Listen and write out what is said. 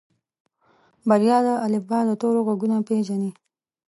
بريا د الفبا د تورو غږونه پېژني.